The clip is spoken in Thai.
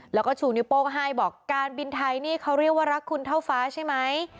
แล้วก็ชูนิ้วโป้งให้บอกการบินไทยนี่เขาเรียกว่ารักคุณเท่าฟ้าใช่ไหม